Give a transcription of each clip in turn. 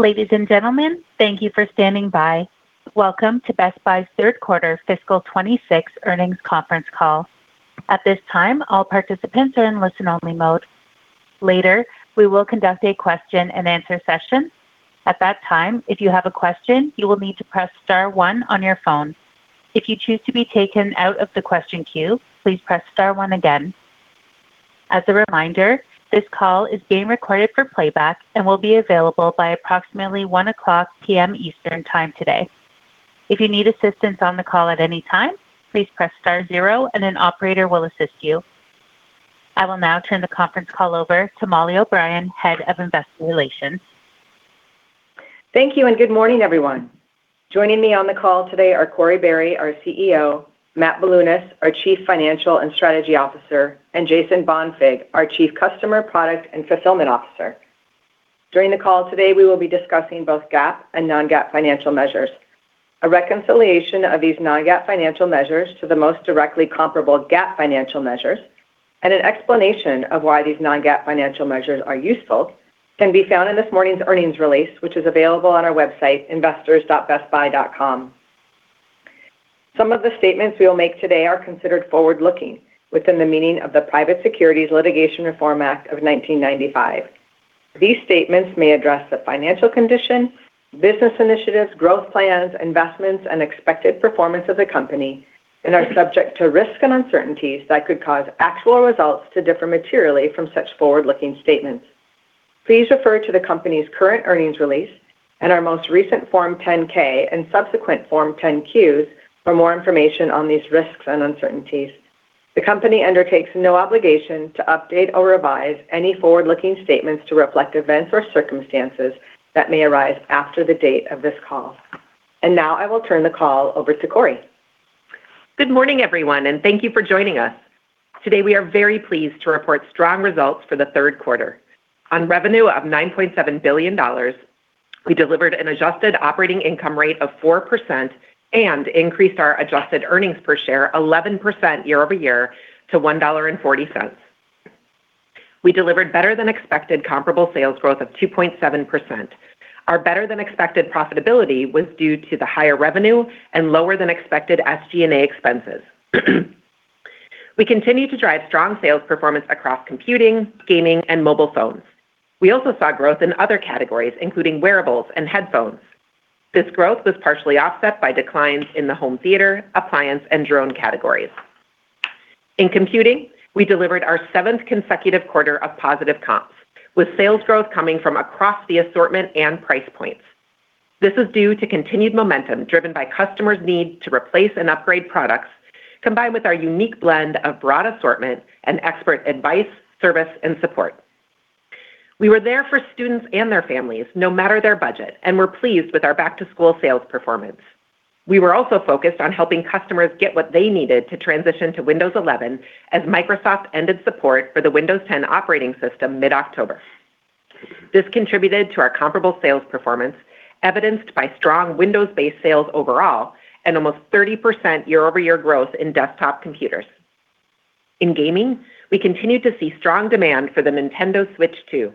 Ladies and gentlemen, thank you for standing by. Welcome to Best Buy's third quarter fiscal 2026 earnings conference call. At this time, all participants are in listen-only mode. Later, we will conduct a question-and-answer session. At that time, if you have a question, you will need to press star one on your phone. If you choose to be taken out of the question queue, please press star one again. As a reminder, this call is being recorded for playback and will be available by approximately 1:00 P.M. Eastern Time today. If you need assistance on the call at any time, please press star zero, and an operator will assist you. I will now turn the conference call over to Mollie O'Brien, Head of Investor Relations. Thank you, and good morning, everyone. Joining me on the call today are Corie Barry, our CEO; Matt Bilunas, our Chief Financial and Strategy Officer; and Jason Bonfig, our Chief Customer, Product and Fulfillment Officer. During the call today, we will be discussing both GAAP and non-GAAP financial measures. A reconciliation of these non-GAAP financial measures to the most directly comparable GAAP financial measures and an explanation of why these non-GAAP financial measures are useful can be found in this morning's earnings release, which is available on our website, investors.bestbuy.com. Some of the statements we will make today are considered forward-looking within the meaning of the Private Securities Litigation Reform Act of 1995. These statements may address the financial condition, business initiatives, growth plans, investments, and expected performance of the company, and are subject to risks and uncertainties that could cause actual results to differ materially from such forward-looking statements. Please refer to the company's current earnings release and our most recent Form 10-K and subsequent Form 10-Qs for more information on these risks and uncertainties. The company undertakes no obligation to update or revise any forward-looking statements to reflect events or circumstances that may arise after the date of this call. I will turn the call over to Corie. Good morning, everyone, and thank you for joining us. Today, we are very pleased to report strong results for the third quarter. On revenue of $9.7 billion, we delivered an adjusted operating income rate of 4% and increased our adjusted earnings per share 11% year over year to $1.40. We delivered better-than-expected comparable sales growth of 2.7%. Our better-than-expected profitability was due to the higher revenue and lower-than-expected SG&A expenses. We continue to drive strong sales performance across computing, gaming, and mobile phones. We also saw growth in other categories, including wearables and headphones. This growth was partially offset by declines in the home theater, appliance, and drone categories. In computing, we delivered our seventh consecutive quarter of positive comps, with sales growth coming from across the assortment and price points. This is due to continued momentum driven by customers' need to replace and upgrade products, combined with our unique blend of broad assortment and expert advice, service, and support. We were there for students and their families, no matter their budget, and were pleased with our Back-to-School sales performance. We were also focused on helping customers get what they needed to transition to Windows 11 as Microsoft ended support for the Windows 10 operating system mid-October. This contributed to our comparable sales performance, evidenced by strong Windows-based sales overall and almost 30% year-over-year growth in desktop computers. In gaming, we continued to see strong demand for the Nintendo Switch 2.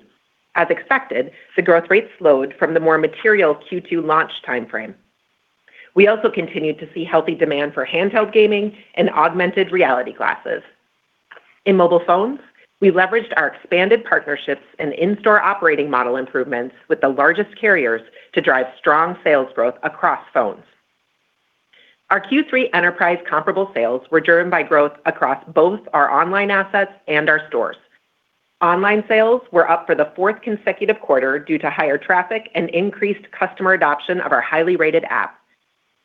As expected, the growth rate slowed from the more material Q2 launch timeframe. We also continued to see healthy demand for handheld gaming and augmented reality glasses. In mobile phones, we leveraged our expanded partnerships and in-store operating model improvements with the largest carriers to drive strong sales growth across phones. Our Q3 enterprise comparable sales were driven by growth across both our online assets and our stores. Online sales were up for the th consecutive quarter due to higher traffic and increased customer adoption of our highly rated app.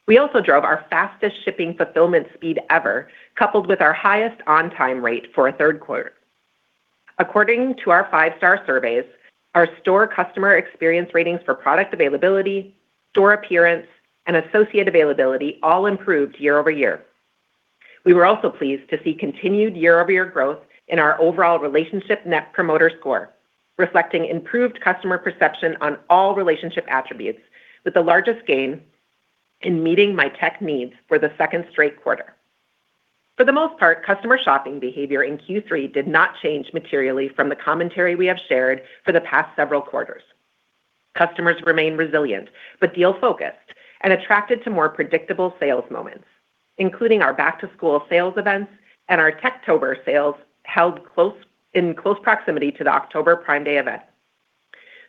We also drove our fastest shipping fulfillment speed ever, coupled with our highest on-time rate for a third quarter. According to our -star surveys, our store customer experience ratings for product availability, store appearance, and associate availability all improved year over year. We were also pleased to see continued year-over-year growth in our overall relationship net promoter score, reflecting improved customer perception on all relationship attributes, with the largest gain in meeting my tech needs for the second straight quarter. For the most part, customer shopping behavior in Q3 did not change materially from the commentary we have shared for the past several quarters. Customers remained resilient but deal-focused and attracted to more predictable sales moments, including our Back-to-School sales events and our TechTober sales held in close proximity to the October Prime Day event.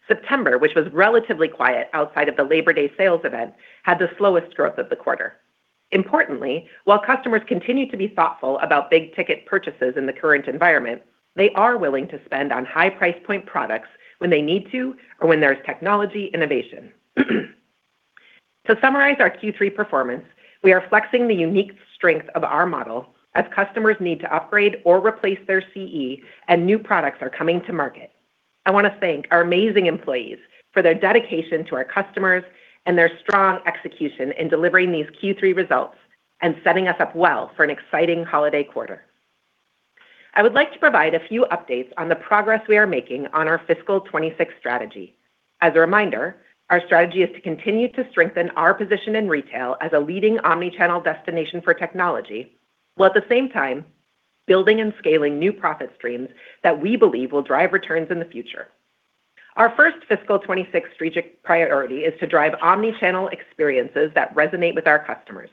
September, which was relatively quiet outside of the Labor Day sales event, had the slowest growth of the quarter. Importantly, while customers continue to be thoughtful about big-ticket purchases in the current environment, they are willing to spend on high-price point products when they need to or when there is technology innovation. To summarize our Q3 performance, we are flexing the unique strength of our model as customers need to upgrade or replace their CE, and new products are coming to market. I want to thank our amazing employees for their dedication to our customers and their strong execution in delivering these Q3 results and setting us up well for an exciting holiday quarter. I would like to provide a few updates on the progress we are making on our fiscal 2026 strategy. As a reminder, our strategy is to continue to strengthen our position in retail as a leading omnichannel destination for technology while at the same time building and scaling new profit streams that we believe will drive returns in the future. Our first fiscal 2026 strategic priority is to drive omnichannel experiences that resonate with our customers.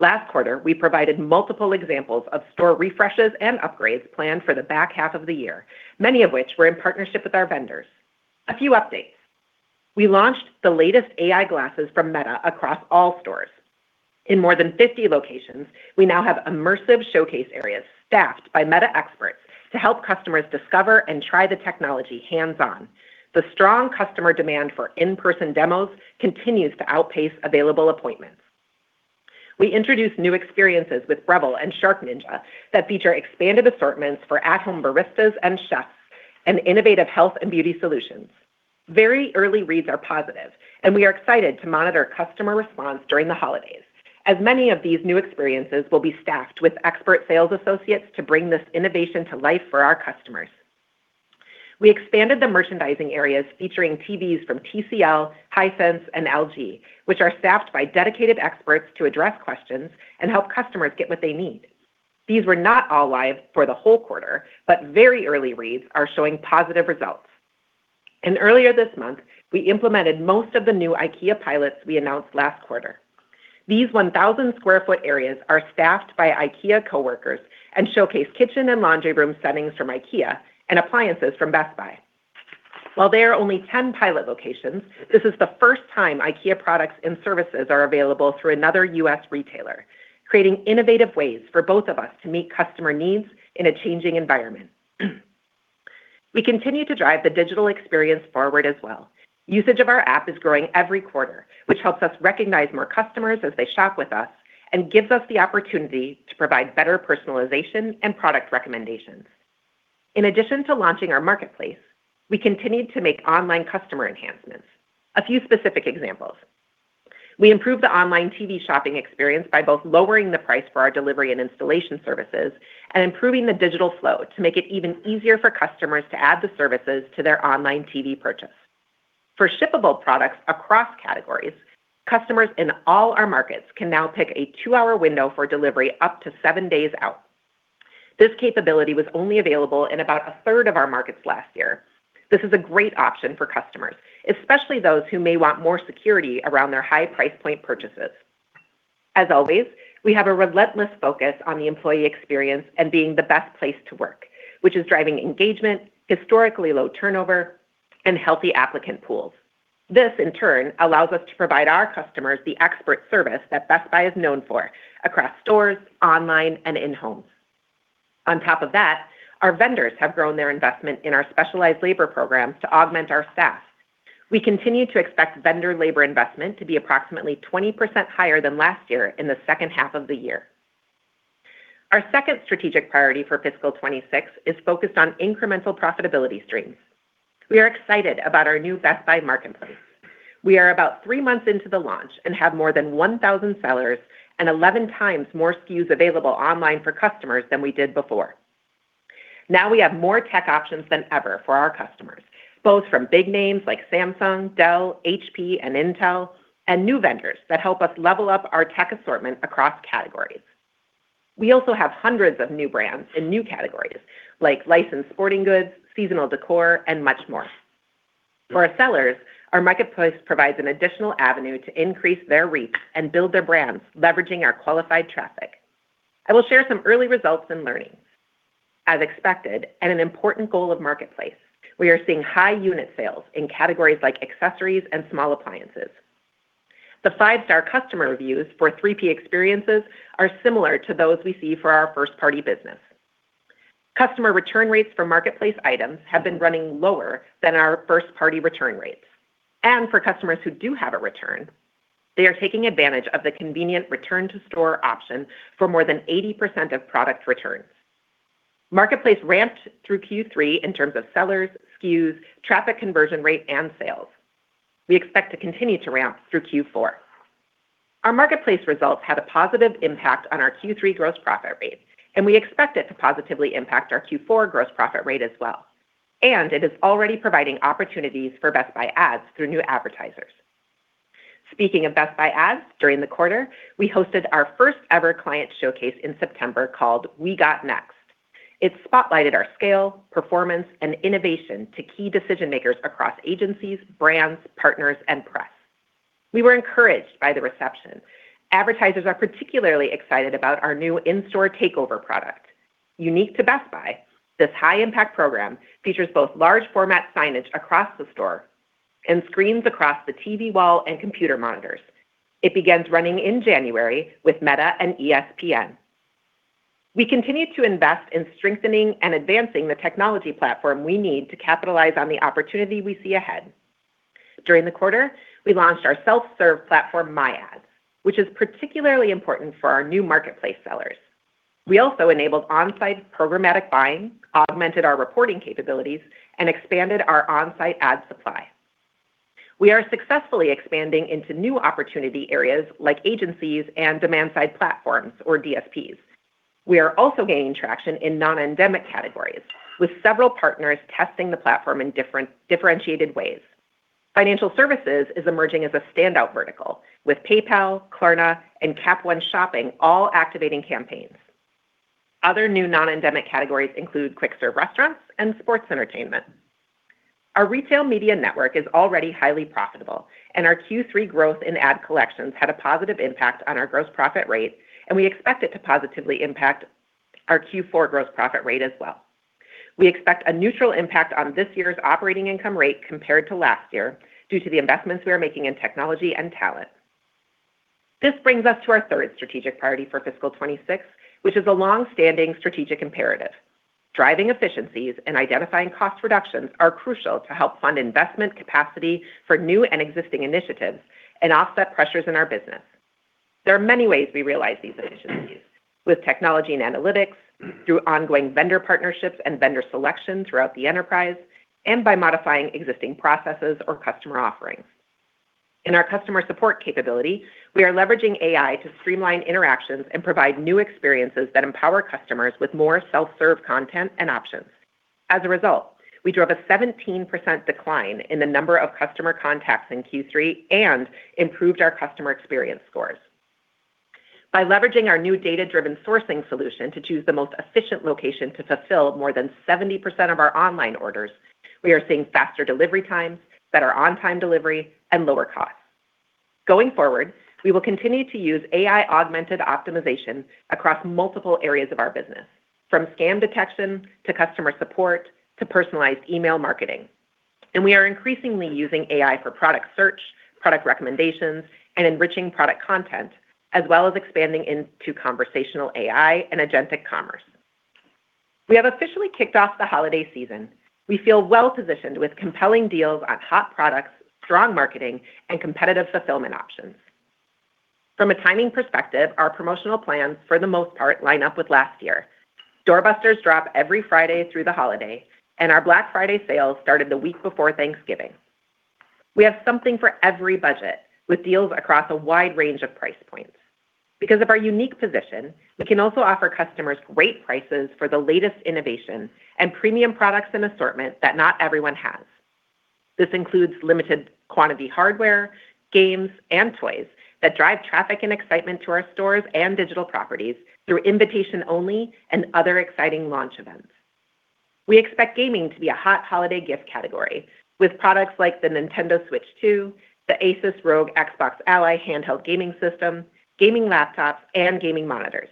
Last quarter, we provided multiple examples of store refreshes and upgrades planned for the back half of the year, many of which were in partnership with our vendors. A few updates: we launched the latest AI glasses from Meta across all stores. In more than 50 locations, we now have immersive showcase areas staffed by Meta experts to help customers discover and try the technology hands-on. The strong customer demand for in-person demos continues to outpace available appointments. We introduced new experiences with Breville and Shark Ninja that feature expanded assortments for at-home baristas and chefs and innovative health and beauty solutions. Very early reads are positive, and we are excited to monitor customer response during the holidays, as many of these new experiences will be staffed with expert sales associates to bring this innovation to life for our customers. We expanded the merchandising areas featuring TVs from TCL, Hisense, and LG, which are staffed by dedicated experts to address questions and help customers get what they need. These were not all live for the whole quarter, but very early reads are showing positive results. Earlier this month, we implemented most of the new IKEA pilots we announced last quarter. These 1,000 sq ft areas are staffed by IKEA coworkers and showcase kitchen and laundry room settings from IKEA and appliances from Best Buy. While there are only 10 pilot locations, this is the first time IKEA products and services are available through another U.S. retailer, creating innovative ways for both of us to meet customer needs in a changing environment. We continue to drive the digital experience forward as well. Usage of our app is growing every quarter, which helps us recognize more customers as they shop with us and gives us the opportunity to provide better personalization and product recommendations. In addition to launching our marketplace, we continue to make online customer enhancements. A few specific examples: we improved the online TV shopping experience by both lowering the price for our delivery and installation services and improving the digital flow to make it even easier for customers to add the services to their online TV purchase. For shippable products across categories, customers in all our markets can now pick a two-hour window for delivery up to seven days out. This capability was only available in about a third of our markets last year. This is a great option for customers, especially those who may want more security around their high price point purchases. As always, we have a relentless focus on the employee experience and being the best place to work, which is driving engagement, historically low turnover, and healthy applicant pools. This, in turn, allows us to provide our customers the expert service that Best Buy is known for across stores, online, and in homes. On top of that, our vendors have grown their investment in our specialized labor programs to augment our staff. We continue to expect vendor labor investment to be approximately 20% higher than last year in the second half of the year. Our second strategic priority for fiscal 2026 is focused on incremental profitability streams. We are excited about our new Best Buy Marketplace. We are about months into the launch and have more than 1,000 sellers and 11 times more SKUs available online for customers than we did before. Now we have more tech options than ever for our customers, both from big names like Samsung, Dell, HP, and Intel, and new vendors that help us level up our tech assortment across categories. We also have hundreds of new brands in new categories like licensed sporting goods, seasonal decor, and much more. For our sellers, our marketplace provides an additional avenue to increase their reach and build their brands, leveraging our qualified traffic. I will share some early results and learnings. As expected, and an important goal of marketplace, we are seeing high unit sales in categories like accessories and small appliances. The -star customer reviews for 3P experiences are similar to those we see for our first-party business. Customer return rates for marketplace items have been running lower than our first-party return rates. For customers who do have a return, they are taking advantage of the convenient return-to-store option for more than 80% of product returns. Marketplace ramped through Q3 in terms of sellers, SKUs, traffic conversion rate, and sales. We expect to continue to ramp through Q4. Our marketplace results had a positive impact on our Q3 gross profit rate, and we expect it to positively impact our Q4 gross profit rate as well. It is already providing opportunities for Best Buy Ads through new advertisers. Speaking of Best Buy Ads, during the quarter, we hosted our first-ever client showcase in September called We Got Next. It spotlighted our scale, performance, and innovation to key decision-makers across agencies, brands, partners, and press. We were encouraged by the reception. Advertisers are particularly excited about our new in-store takeover product. Unique to Best Buy, this high-impact program features both large-format signage across the store and screens across the TV wall and computer monitors. It begins running in January with Meta and ESPN. We continue to invest in strengthening and advancing the technology platform we need to capitalize on the opportunity we see ahead. During the quarter, we launched our self-serve platform, MyAds, which is particularly important for our new marketplace sellers. We also enabled on-site programmatic buying, augmented our reporting capabilities, and expanded our on-site ad supply. We are successfully expanding into new opportunity areas like agencies and demand-side platforms, or DSPs. We are also gaining traction in non-endemic categories, with several partners testing the platform in differentiated ways. Financial services is emerging as a standout vertical, with PayPal, Klarna, and Capital One Shopping all activating campaigns. Other new non-endemic categories include quick-serve restaurants and sports entertainment. Our retail media network is already highly profitable, and our Q3 growth in ad collections had a positive impact on our gross profit rate, and we expect it to positively impact our Q4 gross profit rate as well. We expect a neutral impact on this year's operating income rate compared to last year due to the investments we are making in technology and talent. This brings us to our third strategic priority for fiscal 2026, which is a long-standing strategic imperative. Driving efficiencies and identifying cost reductions are crucial to help fund investment capacity for new and existing initiatives and offset pressures in our business. There are many ways we realize these efficiencies, with technology and analytics, through ongoing vendor partnerships and vendor selection throughout the enterprise, and by modifying existing processes or customer offerings. In our customer support capability, we are leveraging AI to streamline interactions and provide new experiences that empower customers with more self-serve content and options. As a result, we drove a 17% decline in the number of customer contacts in Q3 and improved our customer experience scores. By leveraging our new data-driven sourcing solution to choose the most efficient location to fulfill more than 70% of our online orders, we are seeing faster delivery times, better on-time delivery, and lower costs. Going forward, we will continue to use AI-augmented optimization across multiple areas of our business, from scam detection to customer support to personalized email marketing. We are increasingly using AI for product search, product recommendations, and enriching product content, as well as expanding into conversational AI and agentic commerce. We have officially kicked off the holiday season. We feel well-positioned with compelling deals on hot products, strong marketing, and competitive fulfillment options. From a timing perspective, our promotional plans, for the most part, line up with last year. Doorbusters drop every Friday through the holiday, and our Black Friday sales started the week before Thanksgiving. We have something for every budget, with deals across a wide range of price points. Because of our unique position, we can also offer customers great prices for the latest innovation and premium products and assortment that not everyone has. This includes limited quantity hardware, games, and toys that drive traffic and excitement to our stores and digital properties through invitation-only and other exciting launch events. We expect gaming to be a hot holiday gift category, with products like the Nintendo Switch 2, the ASUS ROG Xbox Ally handheld gaming system, gaming laptops, and gaming monitors.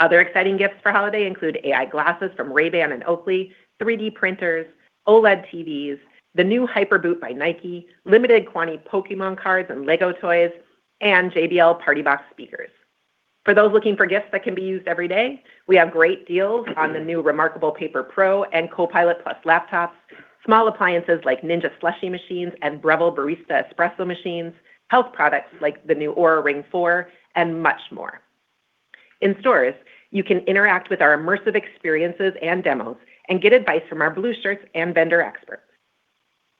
Other exciting gifts for holiday include AI glasses from Ray-Ban and Oakley, 3D printers, OLED TVs, the new Hyperboot by Nike, limited quantity Pokémon cards and LEGO toys, and JBL PartyBox speakers. For those looking for gifts that can be used every day, we have great deals on the new Remarkable Paper Pro and Copilot Plus laptops, small appliances like Ninja Slushie machines and Breville Barista Espresso machines, health products like the new Oura Ring 4, and much more. In stores, you can interact with our immersive experiences and demos and get advice from Blue Shirts and vendor experts.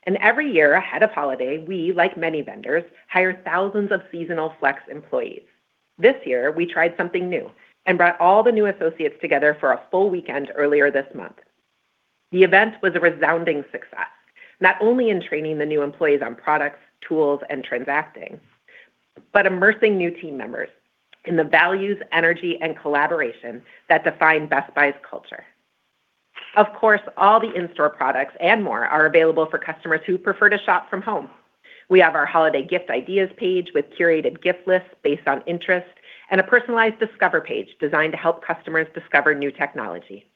Every year ahead of holiday, we, like many vendors, hire thousands of seasonal flex employees. This year, we tried something new and brought all the new associates together for a full weekend earlier this month. The event was a resounding success, not only in training the new employees on products, tools, and transacting, but immersing new team members in the values, energy, and collaboration that define Best Buy's culture. Of course, all the in-store products and more are available for customers who prefer to shop from home. We have our holiday gift ideas page with curated gift lists based on interest and a personalized discover page designed to help customers discover new technology.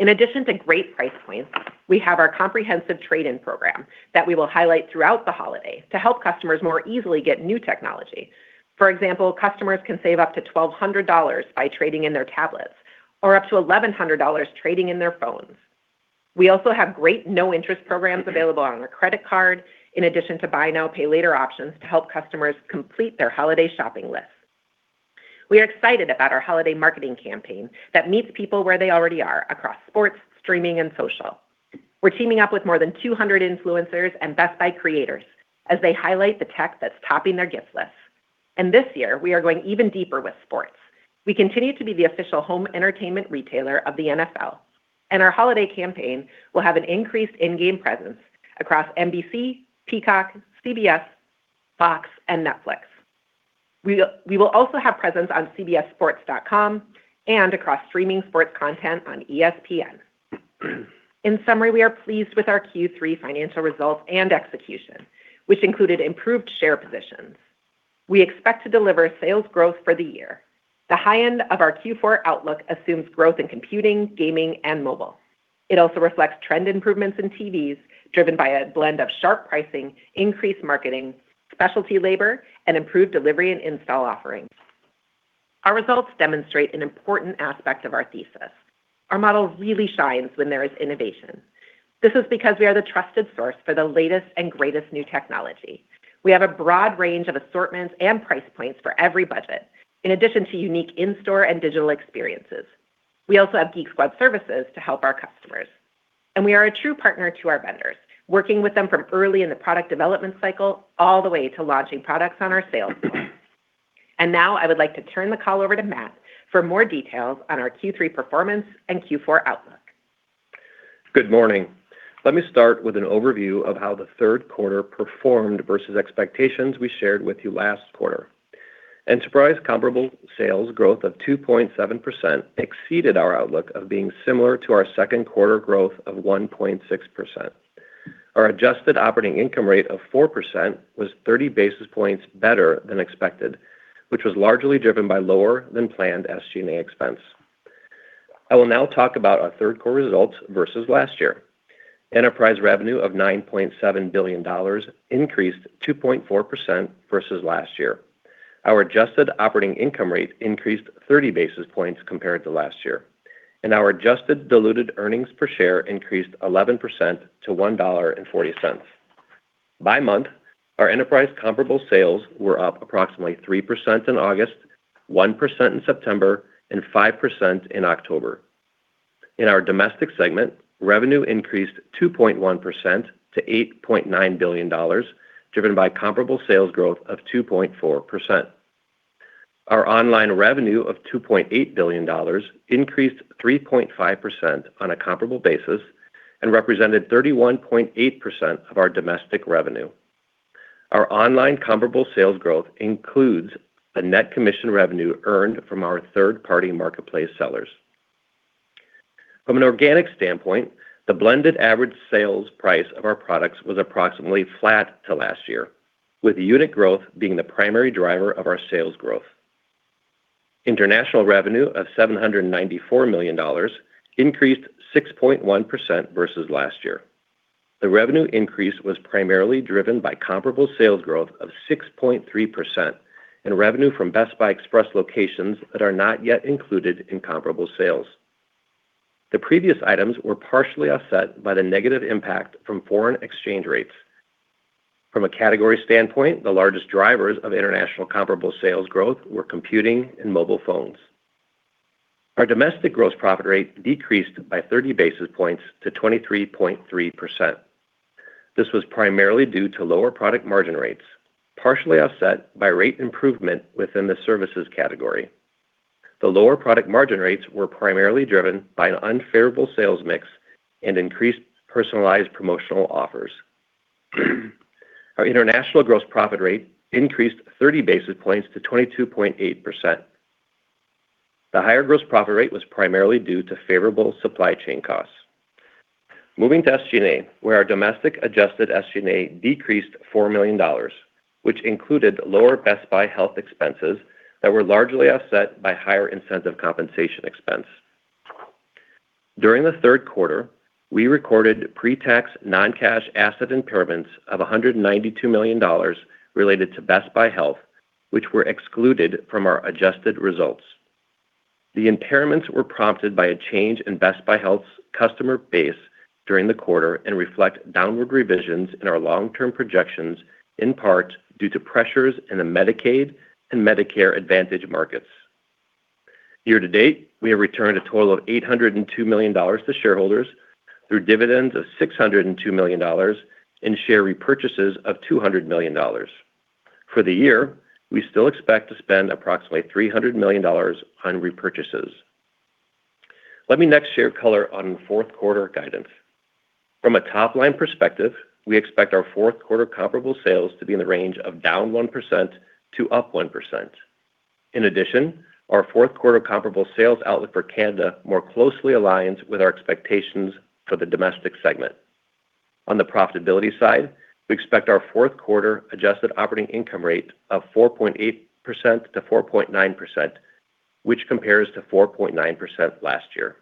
In addition to great price points, we have our comprehensive trade-in program that we will highlight throughout the holiday to help customers more easily get new technology. For example, customers can save up to $1,200 by trading in their tablets or up to $1,100 trading in their phones. We also have great no-interest programs available on our credit card in addition to buy now, pay later options to help customers complete their holiday shopping lists. We are excited about our holiday marketing campaign that meets people where they already are across sports, streaming, and social. We're teaming up with more than 200 influencers and Best Buy creators as they highlight the tech that's topping their gift lists. This year, we are going even deeper with sports. We continue to be the official home entertainment retailer of the NFL, and our holiday campaign will have an increased in-game presence across NBC, Peacock, CBS, Fox, and Netflix. We will also have presence on CBSsports.com and across streaming sports content on ESPN. In summary, we are pleased with our Q3 financial results and execution, which included improved share positions. We expect to deliver sales growth for the year. The high end of our Q4 outlook assumes growth in computing, gaming, and mobile. It also reflects trend improvements in TVs driven by a blend of sharp pricing, increased marketing, specialty labor, and improved delivery and install offerings. Our results demonstrate an important aspect of our thesis. Our model really shines when there is innovation. This is because we are the trusted source for the latest and greatest new technology. We have a broad range of assortments and price points for every budget, in addition to unique in-store and digital experiences. We also have Geek Squad services to help our customers. We are a true partner to our vendors, working with them from early in the product development cycle all the way to launching products on our sales team. I would like to turn the call over to Matt for more details on our Q3 performance and Q4 outlook. Good morning. Let me start with an overview of how the third quarter performed versus expectations we shared with you last quarter. Enterprise comparable sales growth of 2.7% exceeded our outlook of being similar to our second quarter growth of 1.6%. Our adjusted operating income rate of 4% was 30 basis points better than expected, which was largely driven by lower than planned SG&A expense. I will now talk about our third quarter results versus last year. Enterprise revenue of $9.7 billion increased 2.4% versus last year. Our adjusted operating income rate increased 30 basis points compared to last year. Our adjusted diluted earnings per share increased 11% to $1.40. By month, our enterprise comparable sales were up approximately 3% in August, 1% in September, and 5% in October. In our domestic segment, revenue increased 2.1% to $8.9 billion, driven by comparable sales growth of 2.4%. Our online revenue of $2.8 billion increased 3.5% on a comparable basis and represented 31.8% of our domestic revenue. Our online comparable sales growth includes the net commission revenue earned from our third-party marketplace sellers. From an organic standpoint, the blended average sales price of our products was approximately flat to last year, with unit growth being the primary driver of our sales growth. International revenue of $794 million increased 6.1% versus last year. The revenue increase was primarily driven by comparable sales growth of 6.3% and revenue from Best Buy Express locations that are not yet included in comparable sales. The previous items were partially offset by the negative impact from foreign exchange rates. From a category standpoint, the largest drivers of international comparable sales growth were computing and mobile phones. Our domestic gross profit rate decreased by 30 basis points to 23.3%. This was primarily due to lower product margin rates, partially offset by rate improvement within the services category. The lower product margin rates were primarily driven by an unfavorable sales mix and increased personalized promotional offers. Our international gross profit rate increased 30 basis points to 22.8%. The higher gross profit rate was primarily due to favorable supply chain costs. Moving to SG&A, where our domestic adjusted SG&A decreased $4 million, which included lower Best Buy Health expenses that were largely offset by higher incentive compensation expense. During the third quarter, we recorded pre-tax non-cash asset impairments of $192 million related to Best Buy Health, which were excluded from our adjusted results. The impairments were prompted by a change in Best Buy Health's customer base during the quarter and reflect downward revisions in our long-term projections, in part due to pressures in the Medicaid and Medicare Advantage markets. Year to date, we have returned a total of $802 million to shareholders through dividends of $602 million and share repurchases of $200 million. For the year, we still expect to spend approximately $300 million on repurchases. Let me next share color on fourth quarter guidance. From a top-line perspective, we expect our fourth quarter comparable sales to be in the range of down 1% to up 1%. In addition, our fourth quarter comparable sales outlook for Canada more closely aligns with our expectations for the domestic segment. On the profitability side, we expect our fourth quarter adjusted operating income rate of 4.8%-4.9%, which compares to 4.9% last year.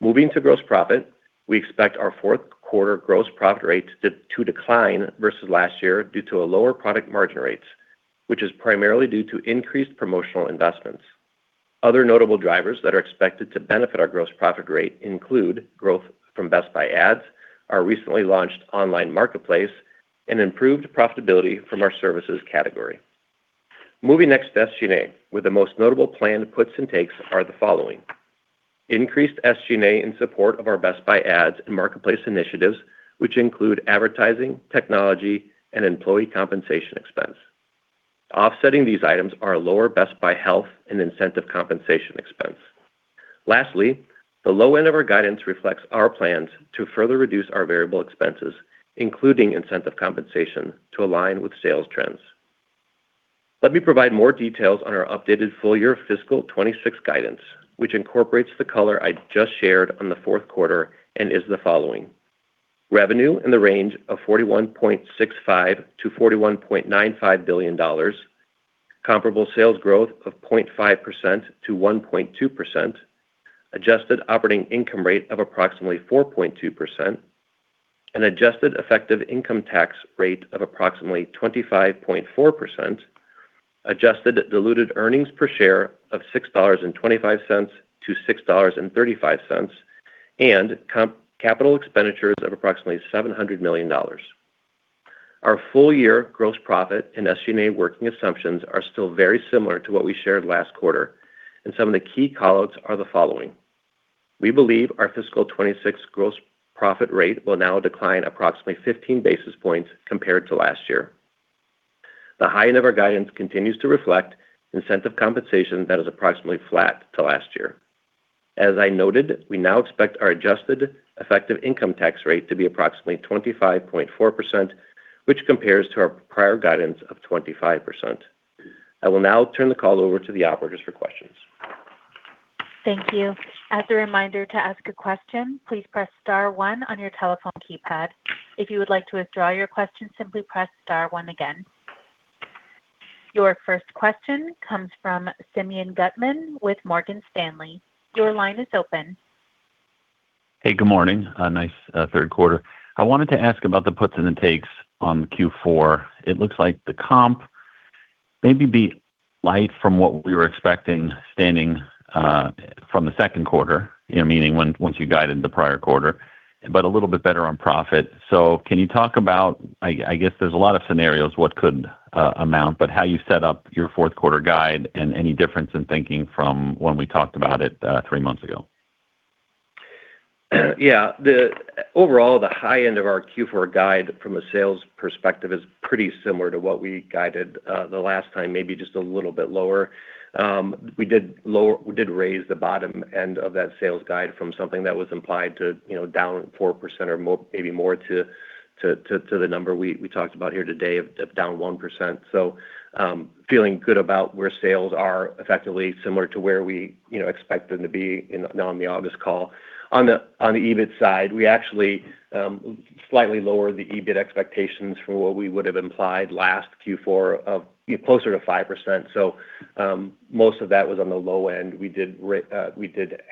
Moving to gross profit, we expect our fourth quarter gross profit rate to decline versus last year due to lower product margin rates, which is primarily due to increased promotional investments. Other notable drivers that are expected to benefit our gross profit rate include growth from Best Buy Ads, our recently launched online marketplace, and improved profitability from our services category. Moving next to SG&A, where the most notable planned puts and takes are the following: increased SG&A in support Best Buy Ads and Marketplace initiatives, which include advertising, technology, and employee compensation expense. Offsetting these items are lower Best Buy Health and incentive compensation expense. Lastly, the low end of our guidance reflects our plans to further reduce our variable expenses, including incentive compensation, to align with sales trends. Let me provide more details on our updated full year fiscal 2026 guidance, which incorporates the color I just shared on the fourth quarter and is the following: revenue in the range of $41.65 billion-$41.95 billion, comparable sales growth of 0.5%-1.2%, adjusted operating income rate of approximately 4.2%, an adjusted effective income tax rate of approximately 25.4%, adjusted diluted earnings per share of $6.25-$6.35, and capital expenditures of approximately $700 million. Our full year gross profit and SG&A working assumptions are still very similar to what we shared last quarter, and some of the key callouts are the following: we believe our fiscal 2026 gross profit rate will now decline approximately 15 basis points compared to last year. The high end of our guidance continues to reflect incentive compensation that is approximately flat to last year. As I noted, we now expect our adjusted effective income tax rate to be approximately 25.4%, which compares to our prior guidance of 25%. I will now turn the call over to the operators for questions. Thank you. As a reminder to ask a question, please press star one on your telephone keypad. If you would like to withdraw your question, simply press star one again. Your first question comes from Simeon Gutman with Morgan Stanley. Your line is open. Hey, good morning. Nice third quarter. I wanted to ask about the puts and the takes on Q4. It looks like the comp may be light from what we were expecting standing from the second quarter, meaning once you guided the prior quarter, but a little bit better on profit. Can you talk about, I guess there's a lot of scenarios what could amount, but how you set up your fourth quarter guide and any difference in thinking from when we talked about it three months ago? Yeah. Overall, the high end of our Q4 guide from a sales perspective is pretty similar to what we guided the last time, maybe just a little bit lower. We did raise the bottom end of that sales guide from something that was implied to down 4% or maybe more to the number we talked about here today of down 1%. Feeling good about where sales are effectively similar to where we expect them to be now on the August call. On the EBIT side, we actually slightly lowered the EBIT expectations from what we would have implied last Q4 of closer to 5%. Most of that was on the low end. We did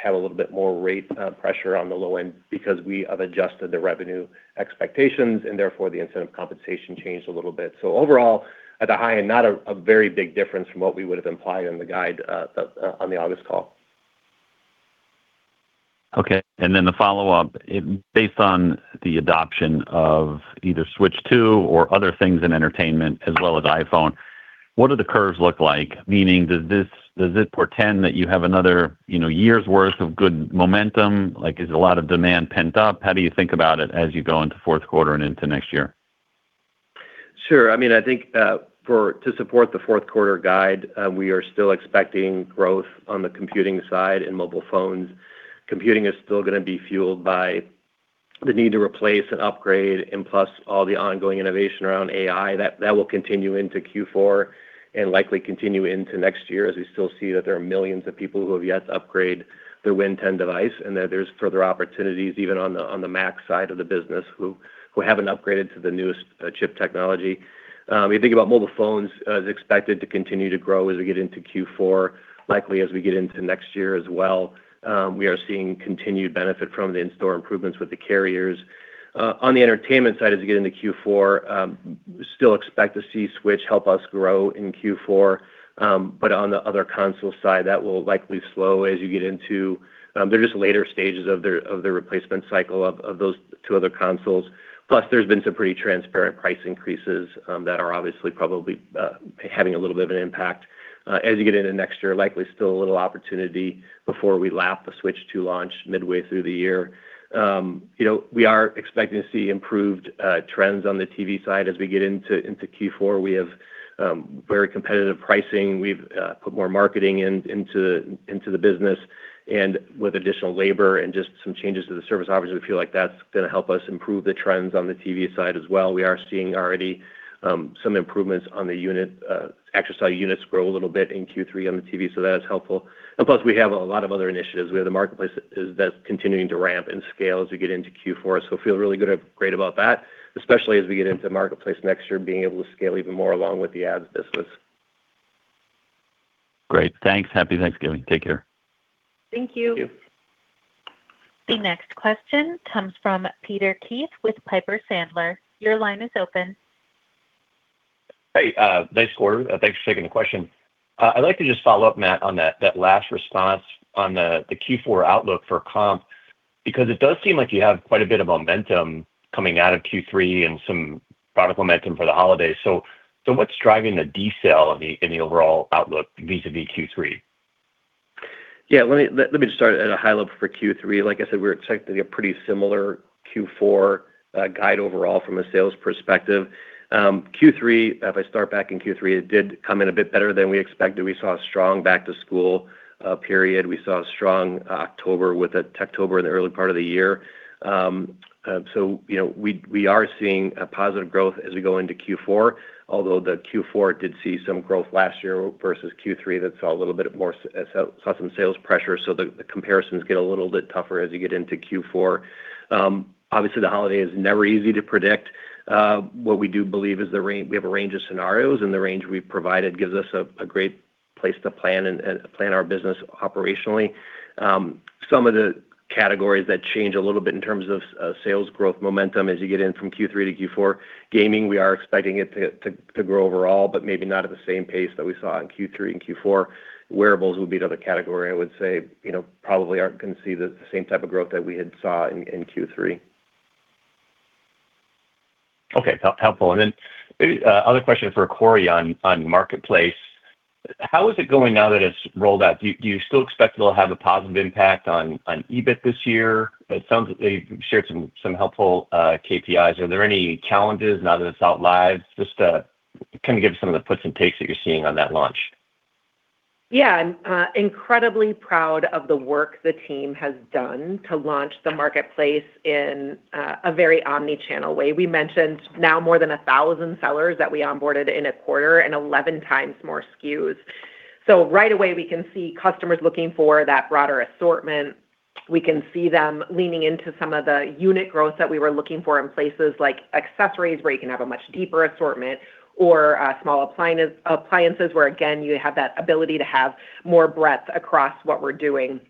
have a little bit more rate pressure on the low end because we have adjusted the revenue expectations, and therefore the incentive compensation changed a little bit. Overall, at the high end, not a very big difference from what we would have implied on the guide on the August call. Okay. The follow-up, based on the adoption of either Switch 2 or other things in entertainment as well as iPhone, what do the curves look like? Meaning, does it portend that you have another year's worth of good momentum? Is a lot of demand pent up? How do you think about it as you go into fourth quarter and into next year? Sure. I mean, I think to support the fourth quarter guide, we are still expecting growth on the computing side and mobile phones. Computing is still going to be fueled by the need to replace and upgrade, and plus all the ongoing innovation around AI that will continue into Q4 and likely continue into next year as we still see that there are millions of people who have yet to upgrade their Win 10 device and that there's further opportunities even on the Mac side of the business who haven't upgraded to the newest chip technology. You think about mobile phones as expected to continue to grow as we get into Q4, likely as we get into next year as well. We are seeing continued benefit from the in-store improvements with the carriers. On the entertainment side, as you get into Q4, still expect to see Switch help us grow in Q4, but on the other console side, that will likely slow as you get into their just later stages of the replacement cycle of those two other consoles. Plus, there's been some pretty transparent price increases that are obviously probably having a little bit of an impact. As you get into next year, likely still a little opportunity before we lap the Switch 2 launch midway through the year. We are expecting to see improved trends on the TV side as we get into Q4. We have very competitive pricing. We've put more marketing into the business. With additional labor and just some changes to the service operators, we feel like that's going to help us improve the trends on the TV side as well. We are seeing already some improvements on the units, actual units grow a little bit in Q3 on the TV, so that is helpful. Plus, we have a lot of other initiatives. We have the marketplace that's continuing to ramp and scale as we get into Q4, so feel really great about that, especially as we get into marketplace next year, being able to scale even more along with the ads business. Great. Thanks. Happy Thanksgiving. Take care. Thank you. The next question comes from Peter Keith with Piper Sandler. Your line is open. Hey, nice quarter. Thanks for taking the question. I'd like to just follow up, Matt, on that last response on the Q4 outlook for comp because it does seem like you have quite a bit of momentum coming out of Q3 and some product momentum for the holidays. What's driving the decel in the overall outlook vis-à-vis Q3? Yeah. Let me just start at a high level for Q3. Like I said, we're expecting a pretty similar Q4 guide overall from a sales perspective. Q3, if I start back in Q3, it did come in a bit better than we expected. We saw a strong Back-to-School period. We saw a strong October with a TechTober in the early part of the year. We are seeing positive growth as we go into Q4, although the Q4 did see some growth last year versus Q3 that saw a little bit more, saw some sales pressure. The comparisons get a little bit tougher as you get into Q4. Obviously, the holiday is never easy to predict. What we do believe is we have a range of scenarios, and the range we've provided gives us a great place to plan our business operationally. Some of the categories that change a little bit in terms of sales growth momentum as you get in from Q3 to Q4, gaming, we are expecting it to grow overall, but maybe not at the same pace that we saw in Q3 and Q4. Wearables would be another category I would say probably aren't going to see the same type of growth that we had saw in Q3. Okay. Helpful. Maybe other question for Corie on marketplace. How is it going now that it's rolled out? Do you still expect it will have a positive impact on EBIT this year? It sounds like they've shared some helpful KPIs. Are there any challenges now that it's out live? Just to kind of give some of the puts and takes that you're seeing on that launch. Yeah. Incredibly proud of the work the team has done to launch the marketplace in a very omnichannel way. We mentioned now more than 1,000 sellers that we onboarded in a quarter and 11 times more SKUs. Right away, we can see customers looking for that broader assortment. We can see them leaning into some of the unit growth that we were looking for in places like accessories where you can have a much deeper assortment or small appliances where, again, you have that ability to have more breadth across what we're doing.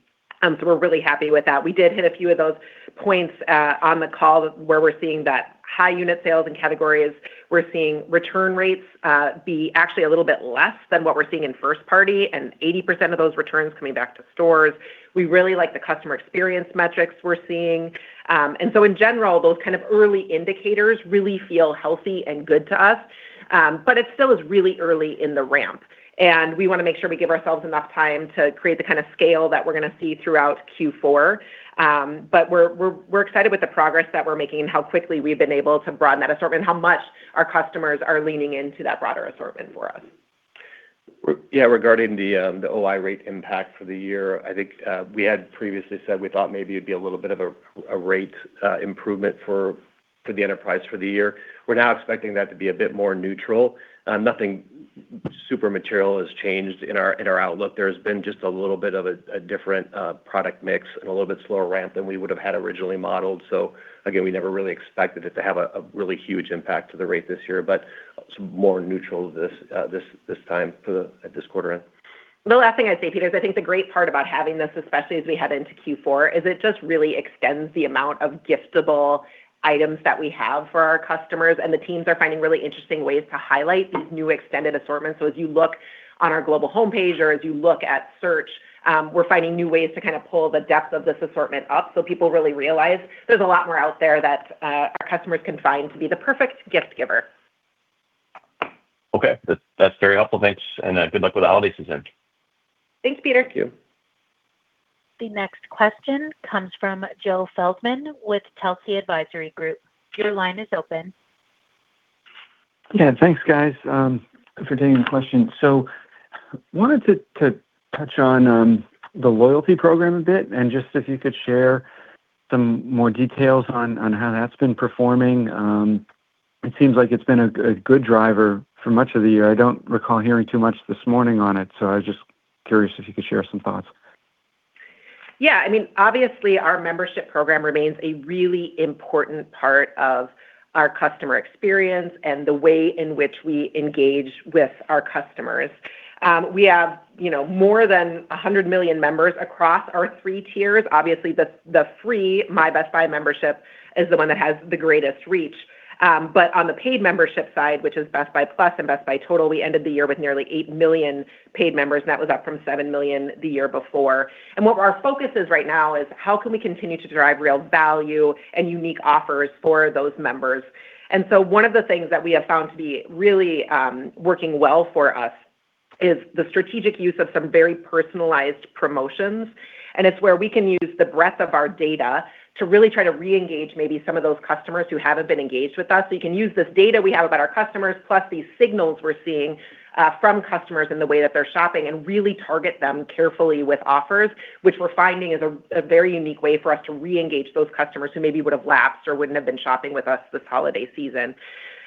We're really happy with that. We did hit a few of those points on the call where we're seeing that high unit sales in categories. We're seeing return rates be actually a little bit less than what we're seeing in first party and 80% of those returns coming back to stores. We really like the customer experience metrics we're seeing. In general, those kind of early indicators really feel healthy and good to us, but it still is really early in the ramp. We want to make sure we give ourselves enough time to create the kind of scale that we're going to see throughout Q4. We're excited with the progress that we're making and how quickly we've been able to broaden that assortment and how much our customers are leaning into that broader assortment for us. Yeah. Regarding the OI rate impact for the year, I think we had previously said we thought maybe it'd be a little bit of a rate improvement for the enterprise for the year. We're now expecting that to be a bit more neutral. Nothing super material has changed in our outlook. There has been just a little bit of a different product mix and a little bit slower ramp than we would have had originally modeled. Again, we never really expected it to have a really huge impact to the rate this year, but more neutral this time for this quarter. The last thing I'd say, Peter, is I think the great part about having this, especially as we head into Q4, is it just really extends the amount of giftable items that we have for our customers. The teams are finding really interesting ways to highlight these new extended assortments. As you look on our global homepage or as you look at search, we're finding new ways to kind of pull the depth of this assortment up so people really realize there's a lot more out there that our customers can find to be the perfect gift giver. Okay. That's very helpful. Thanks. Good luck with the holiday season. Thanks, Peter. Thank you. The next question comes from Joe Feldman with Telsey Advisory Group. Your line is open. Yeah. Thanks, guys, for taking the question. Wanted to touch on the loyalty program a bit and just if you could share some more details on how that's been performing. It seems like it's been a good driver for much of the year. I don't recall hearing too much this morning on it, so I was just curious if you could share some thoughts. Yeah. I mean, obviously, our membership program remains a really important part of our customer experience and the way in which we engage with our customers. We have more than 100 million members across our three tiers. Obviously, the free My Best Buy membership is the one that has the greatest reach. On the paid membership side, which is Best Buy Plus and Best Buy Total, we ended the year with nearly 8 million paid members, and that was up from 7 million the year before. What our focus is right now is how can we continue to drive real value and unique offers for those members? One of the things that we have found to be really working well for us is the strategic use of some very personalized promotions. It is where we can use the breadth of our data to really try to reengage maybe some of those customers who have not been engaged with us. You can use this data we have about our customers plus these signals we are seeing from customers and the way that they are shopping and really target them carefully with offers, which we are finding is a very unique way for us to reengage those customers who maybe would have lapsed or would not have been shopping with us this holiday season.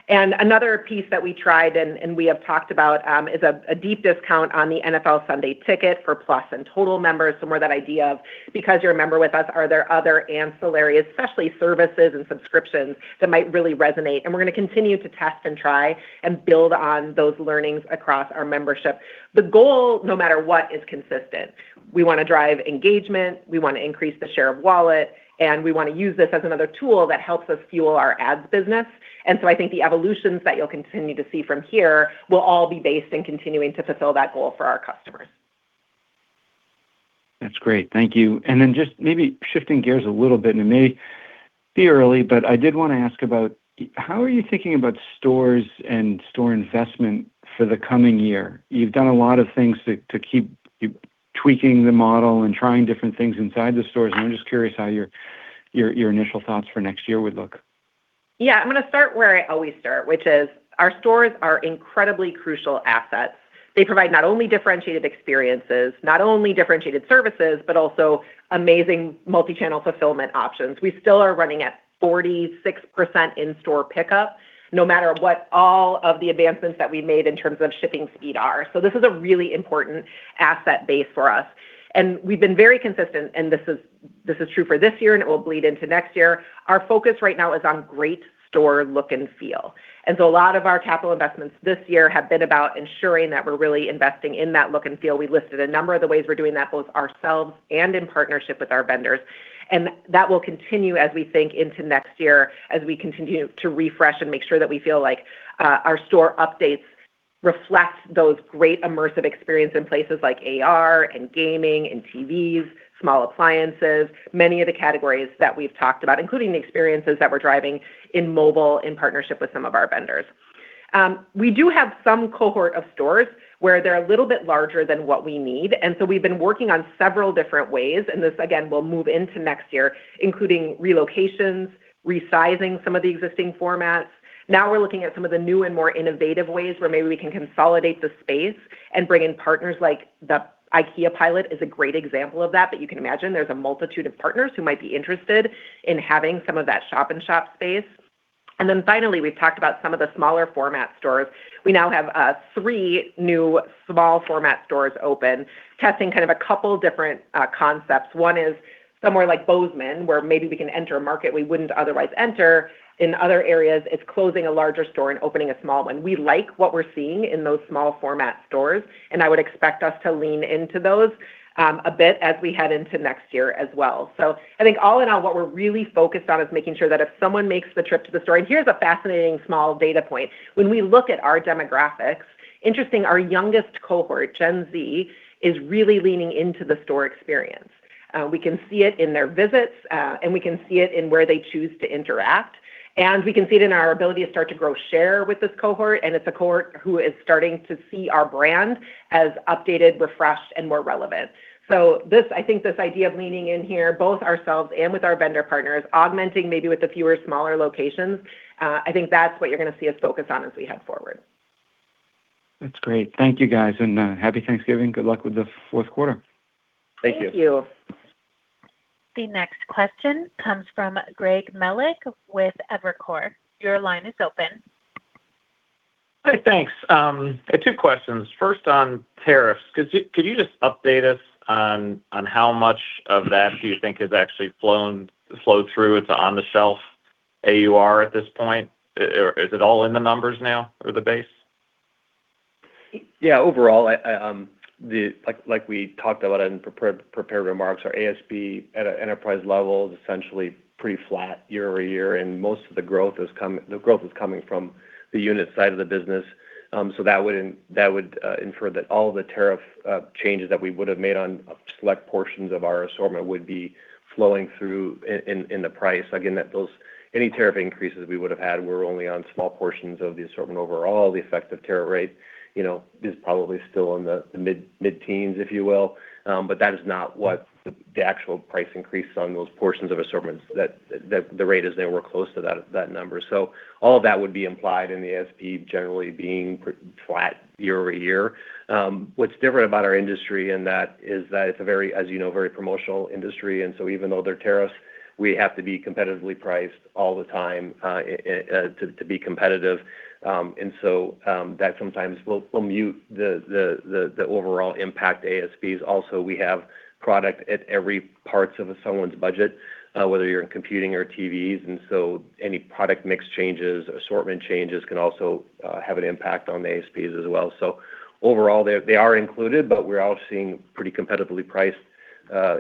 Another piece that we tried and we have talked about is a deep discount on the NFL Sunday ticket for Plus and Total members, somewhere that idea of, because you're a member with us, are there other ancillaries, especially services and subscriptions, that might really resonate? We are going to continue to test and try and build on those learnings across our membership. The goal, no matter what, is consistent. We want to drive engagement. We want to increase the share of wallet, and we want to use this as another tool that helps us fuel our ads business. I think the evolutions that you'll continue to see from here will all be based in continuing to fulfill that goal for our customers. That's great. Thank you. Just maybe shifting gears a little bit, and it may be early, but I did want to ask about how are you thinking about stores and store investment for the coming year? You've done a lot of things to keep tweaking the model and trying different things inside the stores. I'm just curious how your initial thoughts for next year would look. Yeah. I'm going to start where I always start, which is our stores are incredibly crucial assets. They provide not only differentiated experiences, not only differentiated services, but also amazing multi-channel fulfillment options. We still are running at 46% in-store pickup, no matter what all of the advancements that we've made in terms of shipping speed are. This is a really important asset base for us. We have been very consistent, and this is true for this year, and it will bleed into next year. Our focus right now is on great store look and feel. A lot of our capital investments this year have been about ensuring that we are really investing in that look and feel. We listed a number of the ways we are doing that both ourselves and in partnership with our vendors. That will continue as we think into next year as we continue to refresh and make sure that we feel like our store updates reflect those great immersive experiences in places like AR and gaming and TVs, small appliances, many of the categories that we have talked about, including the experiences that we are driving in mobile in partnership with some of our vendors. We do have some cohort of stores where they're a little bit larger than what we need. We have been working on several different ways. This, again, will move into next year, including relocations, resizing some of the existing formats. Now we're looking at some of the new and more innovative ways where maybe we can consolidate the space and bring in partners like the IKEA pilot is a great example of that. You can imagine there's a multitude of partners who might be interested in having some of that shop-in-shop space. Finally, we've talked about some of the smaller format stores. We now have three new small format stores open, testing kind of a couple of different concepts. One is somewhere like Bozeman, where maybe we can enter a market we wouldn't otherwise enter. In other areas, it's closing a larger store and opening a small one. We like what we're seeing in those small format stores, and I would expect us to lean into those a bit as we head into next year as well. I think all in all, what we're really focused on is making sure that if someone makes the trip to the store, and here's a fascinating small data point. When we look at our demographics, interesting, our youngest cohort, Gen Z, is really leaning into the store experience. We can see it in their visits, and we can see it in where they choose to interact. We can see it in our ability to start to grow share with this cohort. It's a cohort who is starting to see our brand as updated, refreshed, and more relevant. I think this idea of leaning in here, both ourselves and with our vendor partners, augmenting maybe with a fewer smaller locations, I think that's what you're going to see us focus on as we head forward. That's great. Thank you, guys. And happy Thanksgiving. Good luck with the fourth quarter. Thank you. Thank you. The next question comes from Greg Mellick with Evercore. Your line is open. Hi, thanks. I have two questions. First, on tariffs. Could you just update us on how much of that do you think has actually flowed through into on-the-shelf AUR at this point? Is it all in the numbers now or the base? Yeah. Overall, like we talked about in prepared remarks, our ASP at an enterprise level is essentially pretty flat year over year. And most of the growth is coming from the unit side of the business. That would infer that all the tariff changes that we would have made on select portions of our assortment would be flowing through in the price. Again, any tariff increases we would have had were only on small portions of the assortment overall. The effective tariff rate is probably still in the mid-teens, if you will. That is not what the actual price increase on those portions of assortments, that the rate is nowhere close to that number. All of that would be implied in the ASP generally being flat year over year. What's different about our industry in that is that it's a very, as you know, very promotional industry. Even though there are tariffs, we have to be competitively priced all the time to be competitive. That sometimes will mute the overall impact. Also, we have product at every part of someone's budget, whether you're in computing or TVs. Any product mix changes, assortment changes can also have an impact on the ASPs as well. Overall, they are included, but we're all seeing pretty competitively priced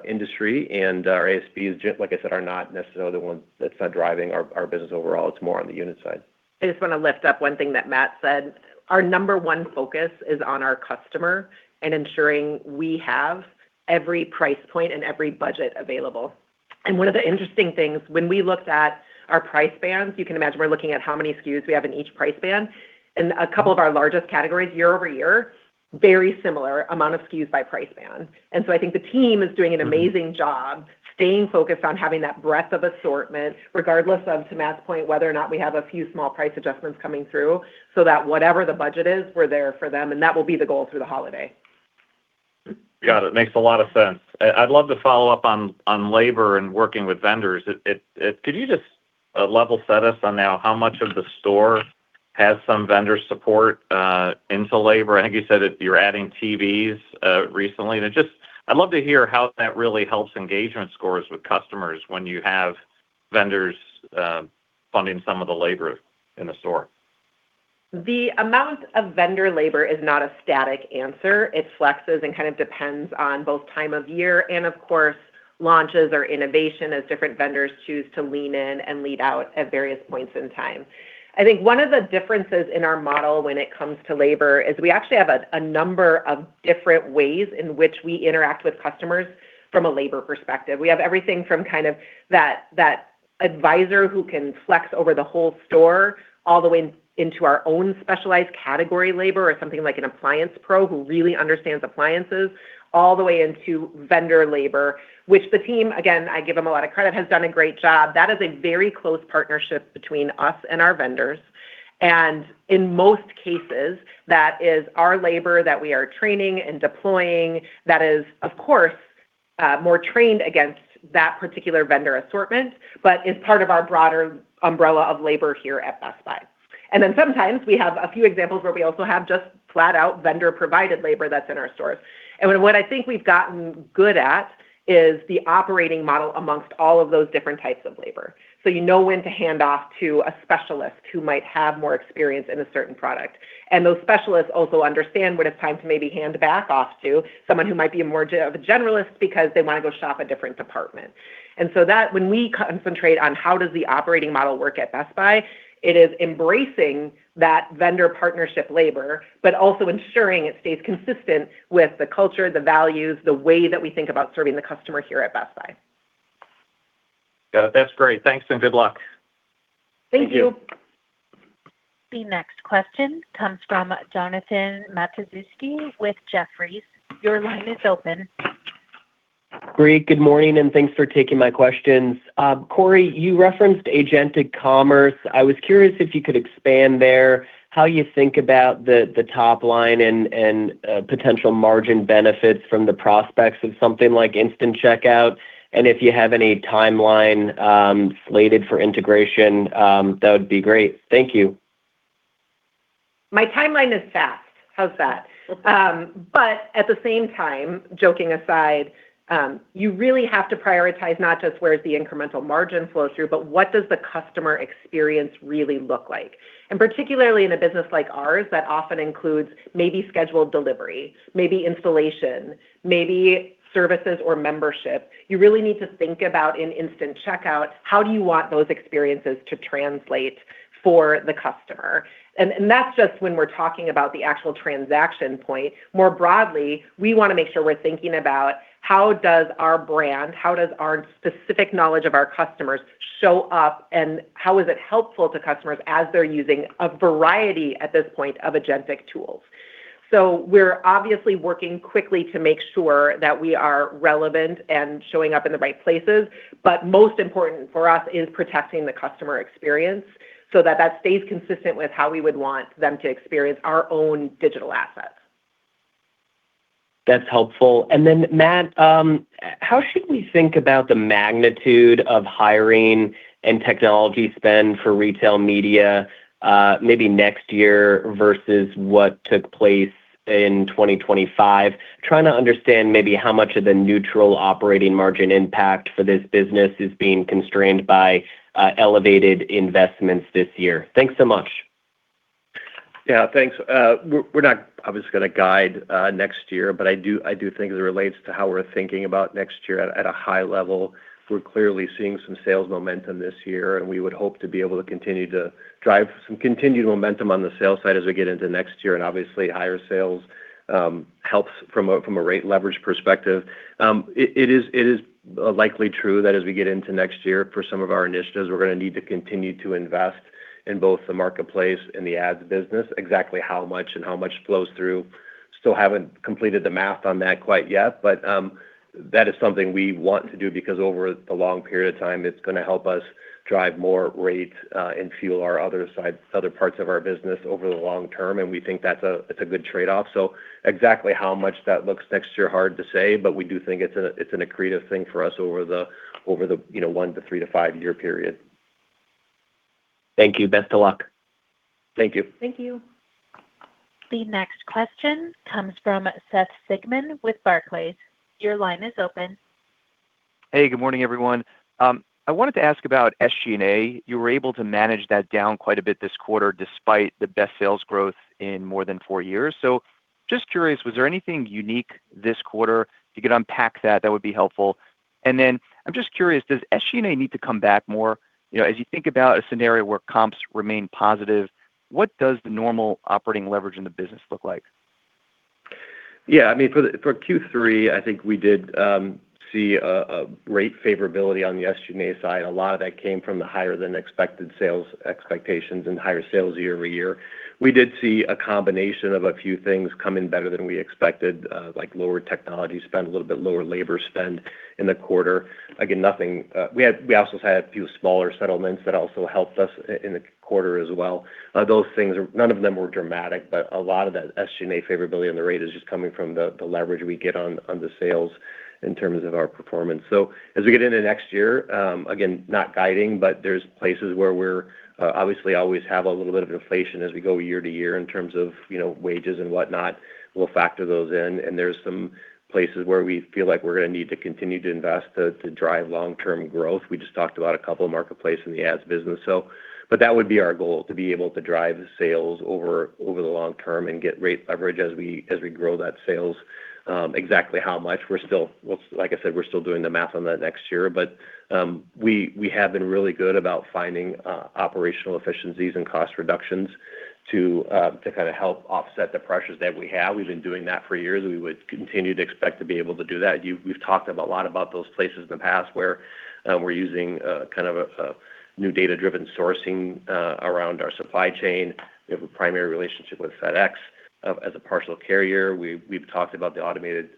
industry. Our ASPs, like I said, are not necessarily the ones that's driving our business overall. It's more on the unit side. I just want to lift up one thing that Matt said. Our number one focus is on our customer and ensuring we have every price point and every budget available. One of the interesting things, when we looked at our price bands, you can imagine we're looking at how many SKUs we have in each price band. A couple of our largest categories year over year, very similar amount of SKUs by price band. I think the team is doing an amazing job staying focused on having that breadth of assortment, regardless of, to Matt's point, whether or not we have a few small price adjustments coming through, so that whatever the budget is, we're there for them. That will be the goal through the holiday. Got it. Makes a lot of sense. I'd love to follow up on labor and working with vendors. Could you just level set us on now how much of the store has some vendor support into labor? I think you said you're adding TVs recently. I'd love to hear how that really helps engagement scores with customers when you have vendors funding some of the labor in the store. The amount of vendor labor is not a static answer. It flexes and kind of depends on both time of year and, of course, launches or innovation as different vendors choose to lean in and lead out at various points in time. I think one of the differences in our model when it comes to labor is we actually have a number of different ways in which we interact with customers from a labor perspective. We have everything from kind of that advisor who can flex over the whole store all the way into our own specialized category labor or something like an appliance pro who really understands appliances, all the way into vendor labor, which the team, again, I give them a lot of credit, has done a great job. That is a very close partnership between us and our vendors. In most cases, that is our labor that we are training and deploying that is, of course, more trained against that particular vendor assortment, but is part of our broader umbrella of labor here at Best Buy. Sometimes we have a few examples where we also have just flat-out vendor-provided labor that's in our stores. What I think we've gotten good at is the operating model amongst all of those different types of labor. You know when to hand off to a specialist who might have more experience in a certain product. Those specialists also understand when it's time to maybe hand back off to someone who might be more of a generalist because they want to go shop a different department. When we concentrate on how does the operating model work at Best Buy, it is embracing that vendor partnership labor, but also ensuring it stays consistent with the culture, the values, the way that we think about serving the customer here at Best Buy. Got it. That's great. Thanks and good luck. Thank you. Thank you. The next question comes from Jonathan Matuszewski with Jefferies. Your line is open. Great. Good morning, and thanks for taking my questions. Corie, you referenced agentic commerce. I was curious if you could expand there how you think about the top line and potential margin benefits from the prospects of something like instant checkout. And if you have any timeline slated for integration, that would be great. Thank you. My timeline is fast. How's that? At the same time, joking aside, you really have to prioritize not just where's the incremental margin flow through, but what does the customer experience really look like? Particularly in a business like ours that often includes maybe scheduled delivery, maybe installation, maybe services or membership, you really need to think about in instant checkout, how do you want those experiences to translate for the customer? That's just when we're talking about the actual transaction point. More broadly, we want to make sure we're thinking about how does our brand, how does our specific knowledge of our customers show up, and how is it helpful to customers as they're using a variety at this point of agentic tools? We're obviously working quickly to make sure that we are relevant and showing up in the right places. Most important for us is protecting the customer experience so that that stays consistent with how we would want them to experience our own digital assets. That's helpful. Then, Matt, how should we think about the magnitude of hiring and technology spend for retail media maybe next year versus what took place in 2025? Trying to understand maybe how much of the neutral operating margin impact for this business is being constrained by elevated investments this year. Thanks so much. Yeah. Thanks. We're not obviously going to guide next year, but I do think as it relates to how we're thinking about next year at a high level, we're clearly seeing some sales momentum this year. We would hope to be able to continue to drive some continued momentum on the sales side as we get into next year. Obviously, higher sales helps from a rate leverage perspective. It is likely true that as we get into next year, for some of our initiatives, we're going to need to continue to invest in both the marketplace and the ads business, exactly how much and how much flows through. Still haven't completed the math on that quite yet, but that is something we want to do because over the long period of time, it's going to help us drive more rates and fuel our other parts of our business over the long term. We think that's a good trade-off. Exactly how much that looks next year is hard to say, but we do think it's an accretive thing for us over the one to 3 to 5-year period. Thank you. Best of luck. Thank you. Thank you. The next question comes from Seth Sigman with Barclays. Your line is open. Hey, good morning, everyone. I wanted to ask about SG&A. You were able to manage that down quite a bit this quarter despite the best sales growth in more than four years. Just curious, was there anything unique this quarter? If you could unpack that, that would be helpful. I am just curious, does SG&A need to come back more? As you think about a scenario where comps remain positive, what does the normal operating leverage in the business look like? Yeah. I mean, for Q3, I think we did see a rate favorability on the SG&A side. A lot of that came from the higher-than-expected sales expectations and higher sales year over year. We did see a combination of a few things come in better than we expected, like lower technology spend, a little bit lower labor spend in the quarter. Again, we also had a few smaller settlements that also helped us in the quarter as well. None of them were dramatic, but a lot of that SG&A favorability on the rate is just coming from the leverage we get on the sales in terms of our performance. As we get into next year, again, not guiding, but there are places where we obviously always have a little bit of inflation as we go year to year in terms of wages and whatnot. We will factor those in. There are some places where we feel like we are going to need to continue to invest to drive long-term growth. We just talked about a couple of marketplaces in the ads business. That would be our goal, to be able to drive sales over the long term and get rate leverage as we grow that sales. Exactly how much, like I said, we're still doing the math on that next year. We have been really good about finding operational efficiencies and cost reductions to kind of help offset the pressures that we have. We've been doing that for years. We would continue to expect to be able to do that. We've talked a lot about those places in the past where we're using kind of a new data-driven sourcing around our supply chain. We have a primary relationship with FedEx as a partial carrier. We've talked about the automated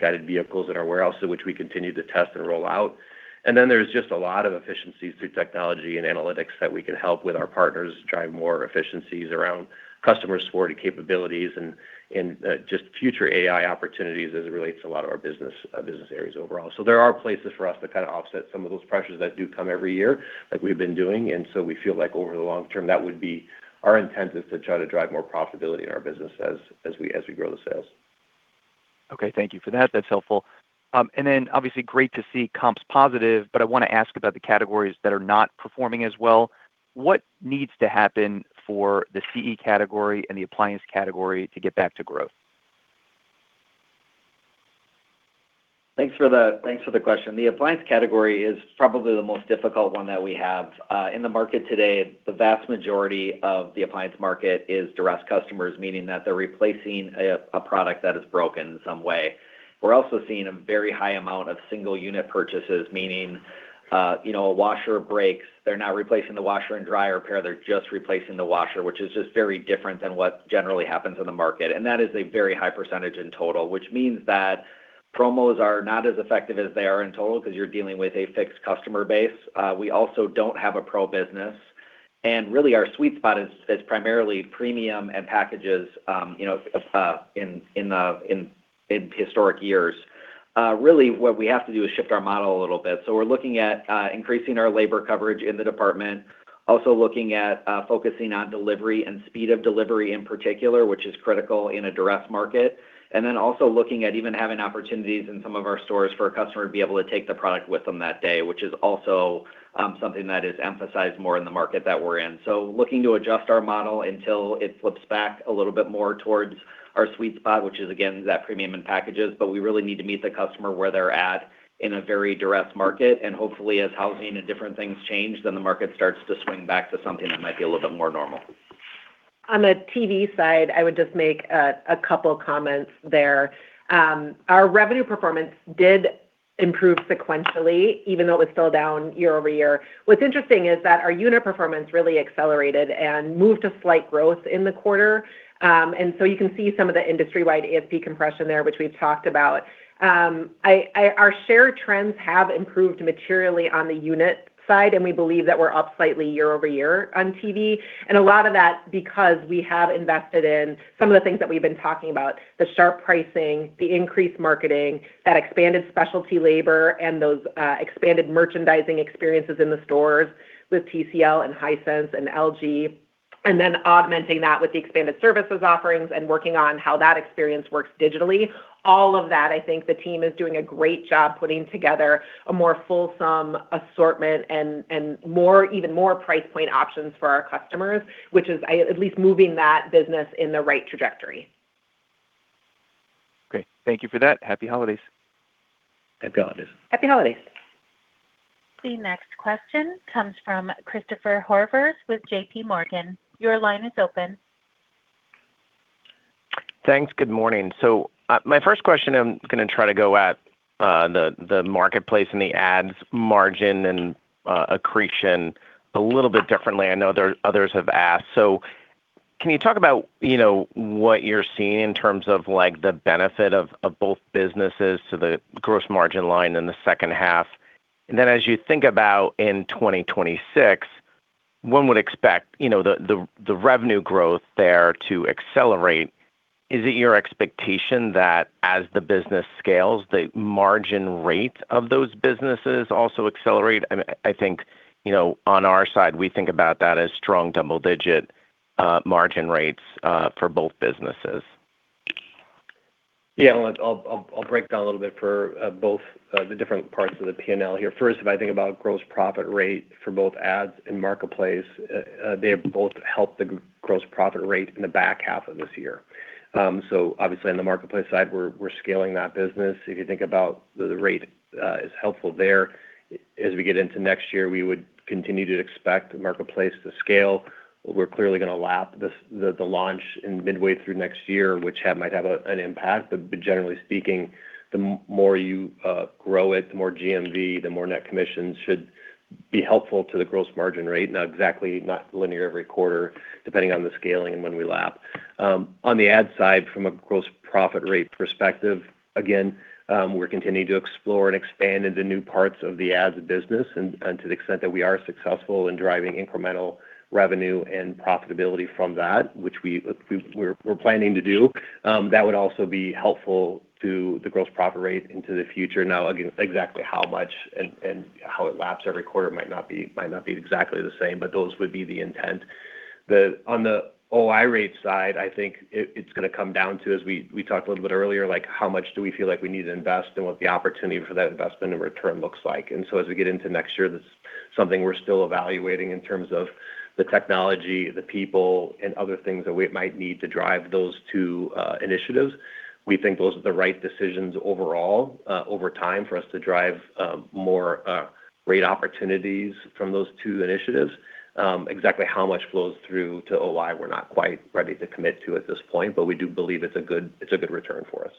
guided vehicles in our warehouses, which we continue to test and roll out. There is just a lot of efficiencies through technology and analytics that we can help with our partners drive more efficiencies around customer support and capabilities and just future AI opportunities as it relates to a lot of our business areas overall. There are places for us to kind of offset some of those pressures that do come every year, like we've been doing. We feel like over the long term, that would be our intent is to try to drive more profitability in our business as we grow the sales. Okay. Thank you for that. That's helpful. Obviously, great to see comps positive, but I want to ask about the categories that are not performing as well. What needs to happen for the CE category and the appliance category to get back to growth? Thanks for the question. The appliance category is probably the most difficult one that we have. In the market today, the vast majority of the appliance market is duress customers, meaning that they're replacing a product that is broken in some way. We're also seeing a very high amount of single-unit purchases, meaning a washer breaks. They're not replacing the washer and dryer pair. They're just replacing the washer, which is just very different than what generally happens in the market. That is a very high percentage in total, which means that promos are not as effective as they are in total because you're dealing with a fixed customer base. We also don't have a pro business. Really, our sweet spot is primarily premium and packages in historic years. Really, what we have to do is shift our model a little bit. We're looking at increasing our labor coverage in the department, also looking at focusing on delivery and speed of delivery in particular, which is critical in a duress market. Also looking at even having opportunities in some of our stores for a customer to be able to take the product with them that day, which is also something that is emphasized more in the market that we're in. Looking to adjust our model until it flips back a little bit more towards our sweet spot, which is, again, that premium and packages. We really need to meet the customer where they're at in a very duress market. Hopefully, as housing and different things change, the market starts to swing back to something that might be a little bit more normal. On the TV side, I would just make a couple of comments there. Our revenue performance did improve sequentially, even though it was still down year over year. What's interesting is that our unit performance really accelerated and moved to slight growth in the quarter. You can see some of the industry-wide ASP compression there, which we've talked about. Our share trends have improved materially on the unit side, and we believe that we're up slightly year over year on TV. A lot of that is because we have invested in some of the things that we've been talking about, the sharp pricing, the increased marketing, that expanded specialty labor, and those expanded merchandising experiences in the stores with TCL and Hisense and LG. Augmenting that with the expanded services offerings and working on how that experience works digitally. All of that, I think the team is doing a great job putting together a more fulsome assortment and even more price point options for our customers, which is at least moving that business in the right trajectory. Great. Thank you for that. Happy holidays. Happy holidays. Happy holidays. The next question comes from Christopher Horvers with JP Morgan. Your line is open. Thanks. Good morning. My first question, I'm going to try to go at the marketplace and the ads margin and accretion a little bit differently. I know others have asked. Can you talk about what you're seeing in terms of the benefit of both businesses to the gross margin line in the second half? As you think about in 2026, one would expect the revenue growth there to accelerate. Is it your expectation that as the business scales, the margin rate of those businesses also accelerate? I think on our side, we think about that as strong double-digit margin rates for both businesses. Yeah. I'll break down a little bit for both the different parts of the P&L here. First, if I think about gross profit rate for both ads and marketplace, they have both helped the gross profit rate in the back half of this year. Obviously, on the marketplace side, we're scaling that business. If you think about the rate, it is helpful there. As we get into next year, we would continue to expect the marketplace to scale. We're clearly going to lap the launch in midway through next year, which might have an impact. Generally speaking, the more you grow it, the more GMV, the more net commissions should be helpful to the gross margin rate. Not exactly linear every quarter, depending on the scaling and when we lap. On the ad side, from a gross profit rate perspective, again, we are continuing to explore and expand into new parts of the ads business. To the extent that we are successful in driving incremental revenue and profitability from that, which we are planning to do, that would also be helpful to the gross profit rate into the future. Again, exactly how much and how it laps every quarter might not be exactly the same, but those would be the intent. On the OI rate side, I think it's going to come down to, as we talked a little bit earlier, how much do we feel like we need to invest and what the opportunity for that investment and return looks like. As we get into next year, that's something we're still evaluating in terms of the technology, the people, and other things that we might need to drive those two initiatives. We think those are the right decisions overall over time for us to drive more rate opportunities from those two initiatives. Exactly how much flows through to OI, we're not quite ready to commit to at this point, but we do believe it's a good return for us.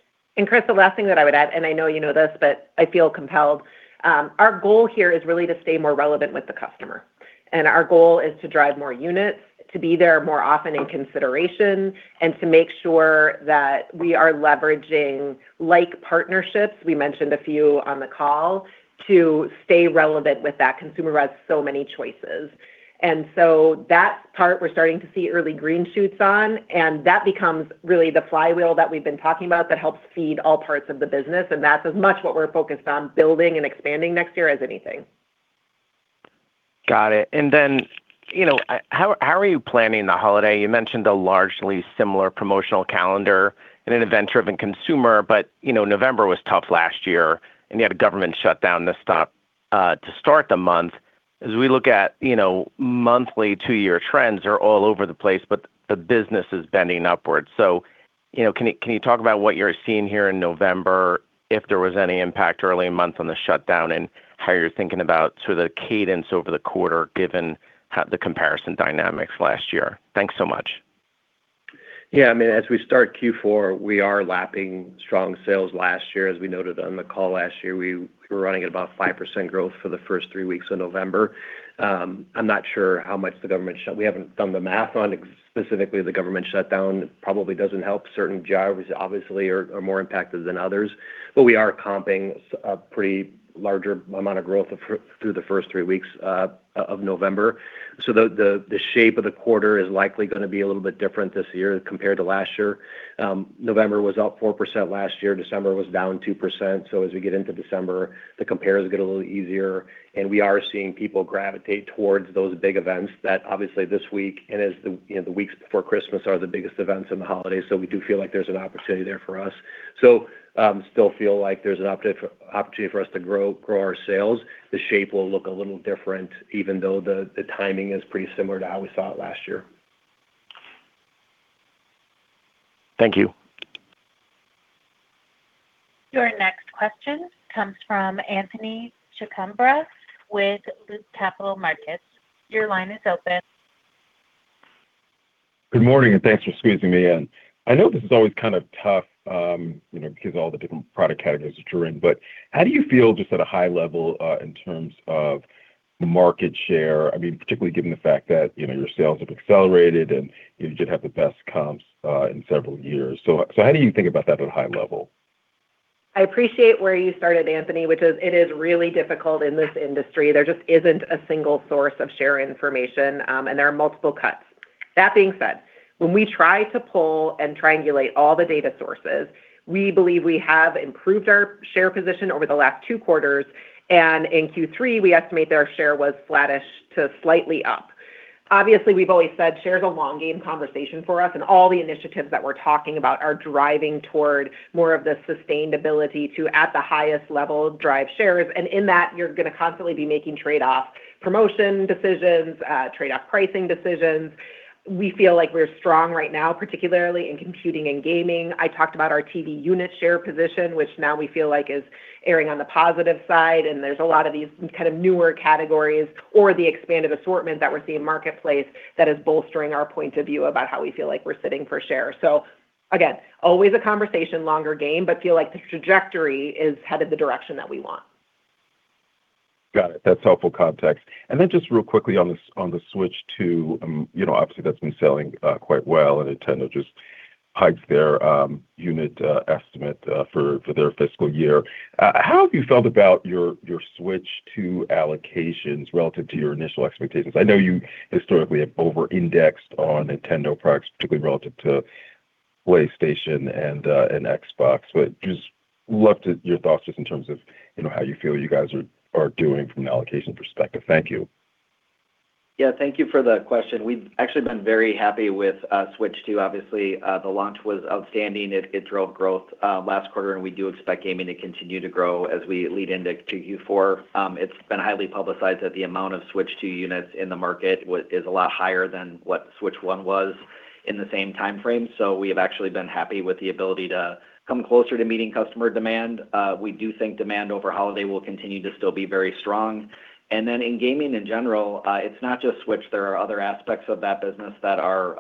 Chris, the last thing that I would add, and I know you know this, but I feel compelled. Our goal here is really to stay more relevant with the customer. Our goal is to drive more units, to be there more often in consideration, and to make sure that we are leveraging like partnerships. We mentioned a few on the call to stay relevant with that consumer who has so many choices. That part, we're starting to see early green shoots on. That becomes really the flywheel that we've been talking about that helps feed all parts of the business. That is as much what we're focused on building and expanding next year as anything. Got it. How are you planning the holiday? You mentioned a largely similar promotional calendar in an event-driven consumer, but November was tough last year. You had a government shutdown to start the month. As we look at monthly, two-year trends are all over the place, but the business is bending upward. Can you talk about what you're seeing here in November, if there was any impact early months on the shutdown, and how you're thinking about sort of the cadence over the quarter given the comparison dynamics last year? Thanks so much. Yeah. I mean, as we start Q4, we are lapping strong sales last year. As we noted on the call last year, we were running at about 5% growth for the first three weeks of November. I'm not sure how much the government shut—we haven't done the math on specifically the government shutdown. It probably doesn't help. Certain geographies, obviously, are more impacted than others. We are comping a pretty larger amount of growth through the first three weeks of November. The shape of the quarter is likely going to be a little bit different this year compared to last year. November was up 4% last year. December was down 2%. As we get into December, the comparison is going to get a little easier. We are seeing people gravitate towards those big events that obviously this week and as the weeks before Christmas are the biggest events in the holidays. We do feel like there's an opportunity there for us. Still feel like there's an opportunity for us to grow our sales. The shape will look a little different, even though the timing is pretty similar to how we saw it last year. Thank you. Your next question comes from Anthony Chukumba with Loop Capital Markets. Your line is open. Good morning, and thanks for squeezing me in. I know this is always kind of tough because of all the different product categories that you're in. How do you feel just at a high level in terms of market share? I mean, particularly given the fact that your sales have accelerated and you did have the best comps in several years. How do you think about that at a high level? I appreciate where you started, Anthony, which is it is really difficult in this industry. There just isn't a single source of share information, and there are multiple cuts. That being said, when we try to pull and triangulate all the data sources, we believe we have improved our share position over the last two quarters. In Q3, we estimate that our share was flattish to slightly up. Obviously, we've always said share is a long game conversation for us, and all the initiatives that we're talking about are driving toward more of the sustainability to, at the highest level, drive shares. In that, you're going to constantly be making trade-off promotion decisions, trade-off pricing decisions. We feel like we're strong right now, particularly in computing and gaming. I talked about our TV unit share position, which now we feel like is airing on the positive side. There are a lot of these kind of newer categories or the expanded assortment that we're seeing marketplace that is bolstering our point of view about how we feel like we're sitting for share. Again, always a conversation, longer game, but feel like the trajectory is headed the direction that we want. Got it. That's helpful context. Just real quickly on the Switch 2, obviously, that's been selling quite well, and Nintendo just hiked their unit estimate for their fiscal year. How have you felt about your Switch 2 allocations relative to your initial expectations? I know you historically have over-indexed on Nintendo products, particularly relative to PlayStation and Xbox. I would just love your thoughts in terms of how you feel you guys are doing from an allocation perspective. Thank you. Yeah. Thank you for the question. We've actually been very happy with Switch 2. Obviously, the launch was outstanding. It drove growth last quarter, and we do expect gaming to continue to grow as we lead into Q4. It's been highly publicized that the amount of Switch 2 units in the market is a lot higher than what Switch 1 was in the same timeframe. We have actually been happy with the ability to come closer to meeting customer demand. We do think demand over holiday will continue to still be very strong. In gaming in general, it's not just Switch. There are other aspects of that business that are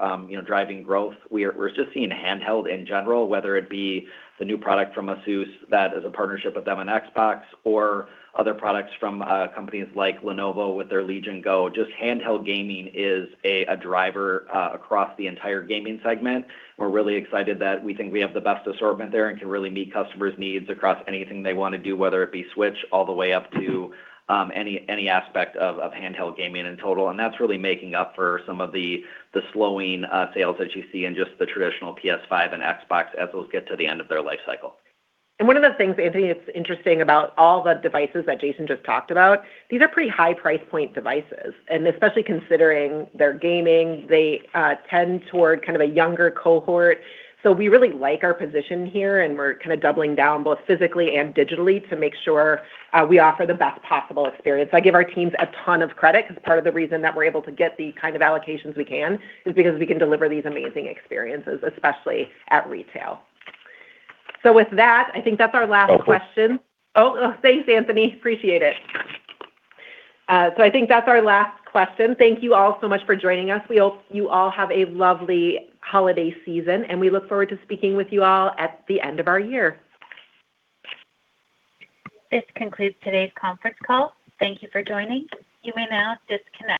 driving growth. We're just seeing handheld in general, whether it be the new product from ASUS that is a partnership with them on Xbox or other products from companies like Lenovo with their Legion Go. Just handheld gaming is a driver across the entire gaming segment. We're really excited that we think we have the best assortment there and can really meet customers' needs across anything they want to do, whether it be Switch all the way up to any aspect of handheld gaming in total. That's really making up for some of the slowing sales that you see in just the traditional PS5 and Xbox as those get to the end of their life cycle. One of the things, Anthony, that's interesting about all the devices that Jason just talked about, these are pretty high price point devices. Especially considering they're gaming, they tend toward kind of a younger cohort. We really like our position here, and we're kind of doubling down both physically and digitally to make sure we offer the best possible experience. I give our teams a ton of credit because part of the reason that we're able to get the kind of allocations we can is because we can deliver these amazing experiences, especially at retail. With that, I think that's our last question. Thanks, Anthony. Appreciate it. I think that's our last question. Thank you all so much for joining us. We hope you all have a lovely holiday season, and we look forward to speaking with you all at the end of our year. This concludes today's conference call. Thank you for joining. You may now disconnect.